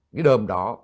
cái đờm đó